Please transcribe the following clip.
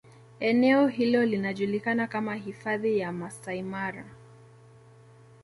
Eneeo hilo linajulikana kama Hifadhi ya Masaimara